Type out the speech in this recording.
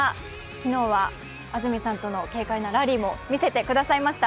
昨日は安住さんとの軽快なラリーも見せてくれました。